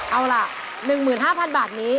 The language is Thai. เอาล่ะ๑๕๐๐๐บาทนี้